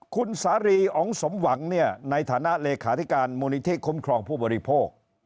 คุณสาลีองค์สมหวังเนี่ยในฐานะเลขาธิการมคลองผู้บริโภค